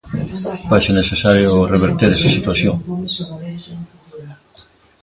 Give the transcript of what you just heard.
Faise necesario reverter esa situación.